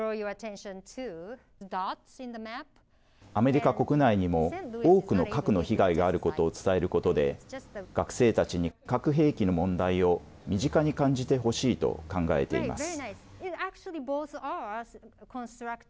アメリカ国内にも多くの核の被害があることを伝えることで学生たちに核兵器の問題を身近に感じてほしいと考えています。